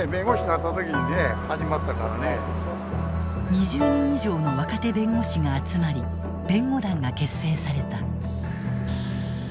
２０人以上の若手弁護士が集まり弁護団が結成された。